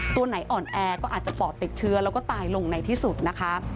ตัวไหนอ่อนแอก็อาจจะปอดติดเชื้อแล้วก็ตายลงในที่สุดนะคะ